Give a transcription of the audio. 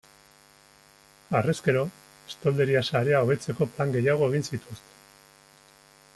Harrezkero, estolderia-sarea hobetzeko plan gehiago egin zituzten.